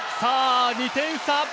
２点差！